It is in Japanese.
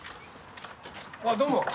あどうも。